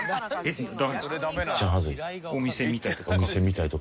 「お店みたい」とか？